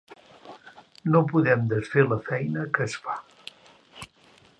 No podem desfer la feina que es fa.